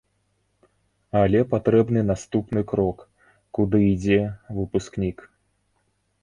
Але патрэбны наступны крок, куды ідзе выпускнік.